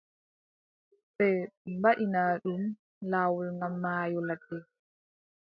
Ɓe mbaɗina ɗum, laawol gal maayo ladde.